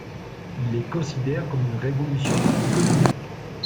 Il les considère comme une révolution économique.